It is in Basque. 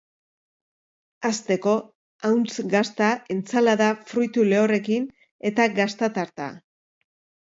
Hasteko, ahuntz gazta entsalada fruitu lehorrekin eta gazta tarta.